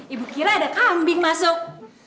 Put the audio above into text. ibu kira ada kambing masuk